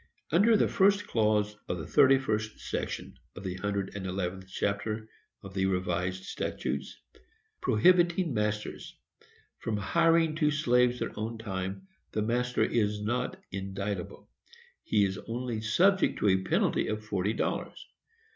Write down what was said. Under the first clause of the thirty first section of the 111th chapter of the Revised Statutes, prohibiting masters from hiring to slaves their own time, the master is not indictable; he is only subject to a penalty of forty dollars.